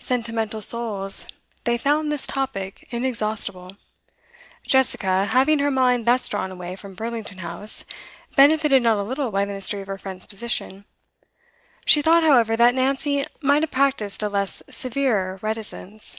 Sentimental souls, they found this topic inexhaustible; Jessica, having her mind thus drawn away from Burlington House, benefited not a little by the mystery of her friend's position; she thought, however, that Nancy might have practised a less severe reticence.